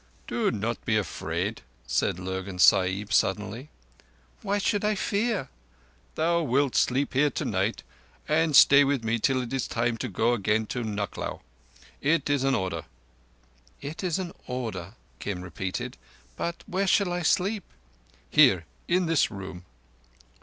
"Do not be afraid," said Lurgan Sahib suddenly. "Why should I fear?" "Thou wilt sleep here tonight, and stay with me till it is time to go again to Nucklao. It is an order." "It is an order," Kim repeated. "But where shall I sleep?" "Here, in this room."